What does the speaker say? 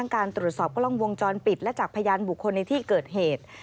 การตรวจสอบกล้องวงจรปิดและจากพยานบุคคลในที่เกิดเหตุ